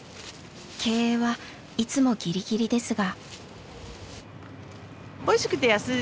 経営はいつもギリギリですが。